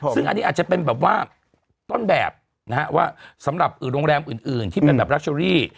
ซึ่งอันนี้อาจจะเป็นต้นแบบสำหรับโรงแรมอื่นที่แบบรักชัลรี่